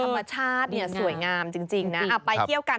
ธรรมชาติเนี่ยสวยงามจริงนะ